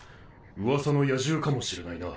噂の野獣かもしれないな。